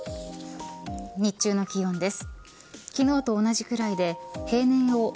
日中の気温です。